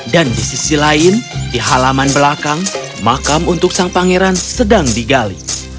dan di sisi lain di halaman belakang makam untuk sang pangeran sedang digali